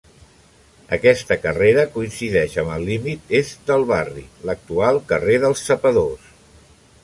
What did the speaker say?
Aquesta carrera coincideix amb el límit est del barri, l'actual carrer dels Sapadors.